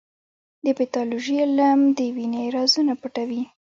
د پیتالوژي علم د وینې رازونه پټوي.